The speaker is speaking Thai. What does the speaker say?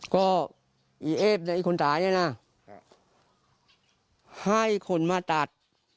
ก็อีเอฟเนี้ยอีคนตายเนี้ยน่ะค่ะให้คนมาตัด